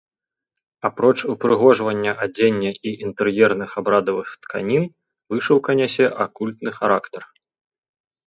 Апроч упрыгожвання адзення і інтэр'ерных абрадавых тканін, вышыўка нясе акультны характар.